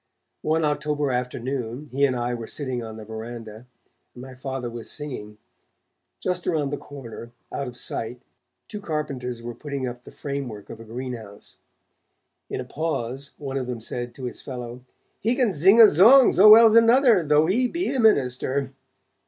One October afternoon he and I were sitting on the verandah, and my Father was singing; just around the corner, out of sight, two carpenters were putting up the framework of a greenhouse. In a pause, one of them said to his fellow: 'He can zing a zong, zo well's another, though he be a minister.'